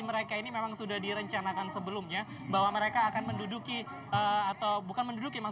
mereka ini memang sudah direncanakan sebelumnya bahwa mereka akan menduduki atau bukan menduduki